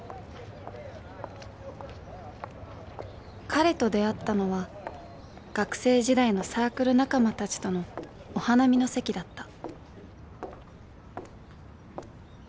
「彼と出会ったのは、学生時代のサークル仲間たちとのお花見の席だった」。